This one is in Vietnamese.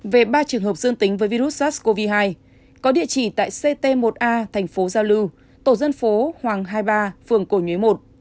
về ba trường hợp dương tính với virus sars cov hai có địa chỉ tại ct một a thành phố giao lưu tổ dân phố hoàng hai mươi ba phường cổ nhuế một